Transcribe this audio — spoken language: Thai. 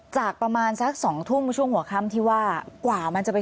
โต๊ะนี้ไม่กินเลยโต๊ะนี้ไม่ดื่มแอลกอฮอล์เลย